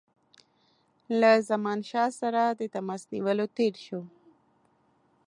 له زمانشاه سره د تماس نیولو تېر شو.